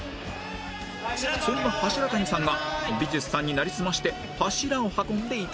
そんな柱谷さんが美術さんになりすまして柱を運んでいたんです